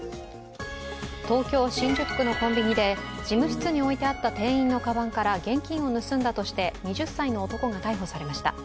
東京・新宿区のコンビニで事務室に置いてあった店員のかばんから現金を盗んだとして二十歳の男が逮捕されました。